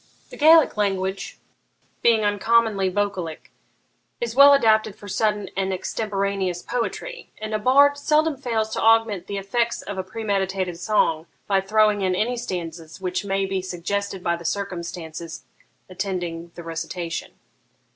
The Gaelic language, being uncommonly vocalic, is well adapted for sudden and extemporaneous poetry; and a bard seldom fails to augment the effects of a premeditated song by throwing in any stanzas which may be suggested by the circumstances attending the recitation.'